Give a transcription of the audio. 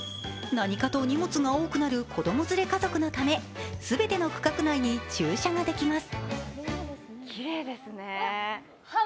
何かと荷物が多くなる子供連れ家族のため全ての区画内に駐車ができます。